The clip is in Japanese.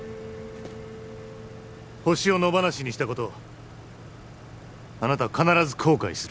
ホシを野放しにしたことをあなたは必ず後悔する